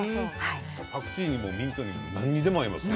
パクチーでもミントでもなんでも合いますね